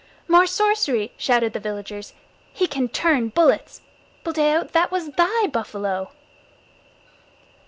"More sorcery!" shouted the villagers. "He can turn bullets. Buldeo, that was thy buffalo."